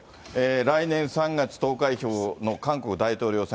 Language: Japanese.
来年３月投開票の韓国大統領選。